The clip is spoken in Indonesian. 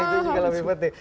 itu juga lebih penting